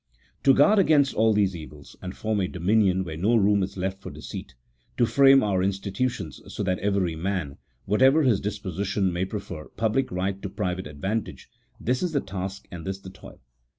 To guard against all these evils, and form a dominion where no room is left for deceit ; to frame our institutions so that every man, whatever his disposition, may prefer public right to private advantage, this is the task and this the toil.